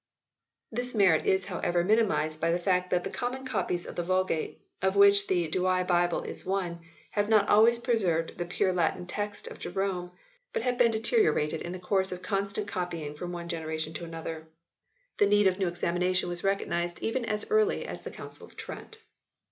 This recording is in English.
This merit is however minimized by the fact that the common copies of the Vulgate, of which the Douai Bible is one, have not always preserved the pure Latin text of Jerome, but V] THREE RIVAL VERSIONS 95 have been deteriorated in the course of constant copying from one generation to another. The need of new examination was recognised even as early as the Council of Trent.